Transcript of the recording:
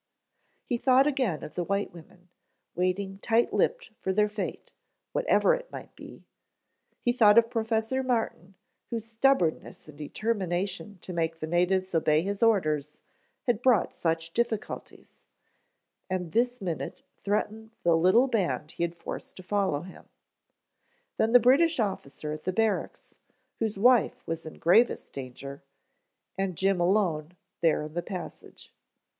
He thought again of the white women, waiting tight lipped for their fate, whatever it might be; he thought of Professor Martin whose stubborness and determination to make the natives obey his orders had brought such difficulties, and this minute threatened the little band he had forced to follow him; then the British officer at the barracks whose wife was in gravest danger; and Jim alone there in the passage.